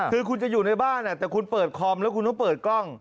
คือคุณจะอยู่ในบ้านแต่คุณเปิดคอมแล้วคุณต้องเปิดกล้อง